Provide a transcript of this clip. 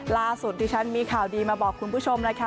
ล่าสุดที่ฉันมีข่าวดีมาบอกคุณผู้ชมนะคะ